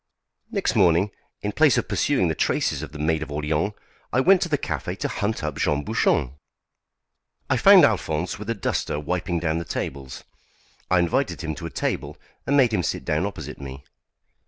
Next morning, in place of pursuing the traces of the Maid of Orléans, I went to the café to hunt up Jean Bouchon. I found Alphonse with a duster wiping down the tables. I invited him to a table and made him sit down opposite me.